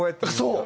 そう！